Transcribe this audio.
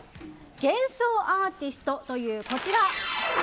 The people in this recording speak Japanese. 幻想アーティストというこちら。